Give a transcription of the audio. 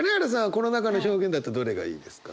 この中の表現だとどれがいいですか？